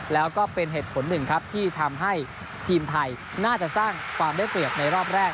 แล้วก็เป็นเหตุผลหนึ่งครับที่ทำให้ทีมไทยน่าจะสร้างความได้เปรียบในรอบแรก